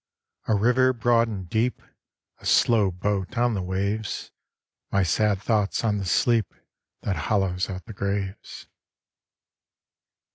A river broad and deep, A slow boat on the waves, My sad thoughts on the sleep That hollows out the graves.